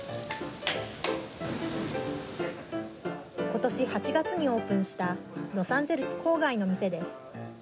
ことし８月にオープンしたロサンゼルス郊外の店です。